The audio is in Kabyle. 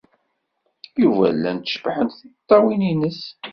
Yuba llant cebḥent tiṭṭawin-nnes.